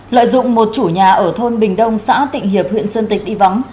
lợi dụng một chủ nhà ở thôn bình đông xã tịnh hiệp huyện sơn tịnh đi vắng